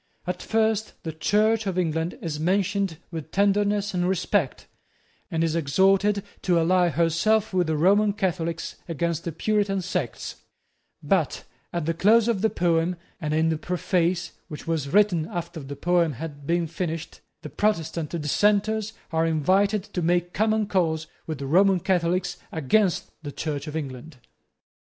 At first the Church of England is mentioned with tenderness and respect, and is exhorted to ally herself with the Roman Catholics against the Puritan sects: but at the close of the poem, and in the preface, which was written after the poem had been finished, the Protestant Dissenters are invited to make common cause with the Roman Catholics against the Church of England.